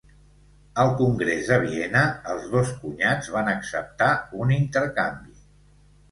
Al Congrés de Viena, els dos cunyats van acceptar un intercanvi.